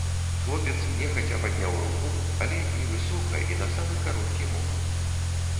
Хлопец нехаця падняў руку, але невысока і на самы кароткі момант.